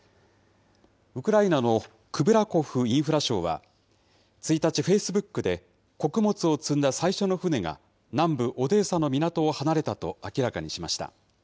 ウクライナのクグラコフインフラ相は、１日、フェイスブックで、穀物を積んだ最初の船が、南部オデーサの港を離れたと明らかにしました。